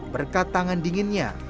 berkat tangan dinginnya